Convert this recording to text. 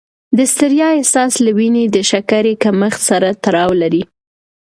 د ستړیا احساس له وینې د شکرې کمښت سره تړاو لري.